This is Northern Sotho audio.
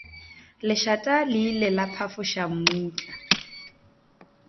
Lešata le ile la phafoša mmutla.